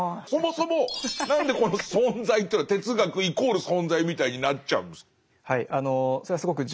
そもそも何でこの「存在」というのは哲学イコール「存在」みたいになっちゃうんですか？